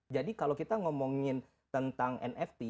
jadi kalau kita ngomongin tentang nft